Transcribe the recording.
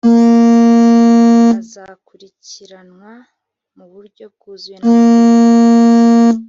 azakurikiranwa mu buryo bwuzuye n'amategeko